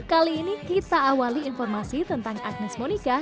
kali ini kita awali informasi tentang agnes monica